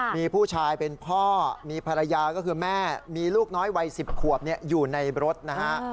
มีผู้ชายเป็นพ่อมีภรรยาก็คือแม่มีลูกน้อยวัย๑๐ขวบอยู่ในรถนะฮะ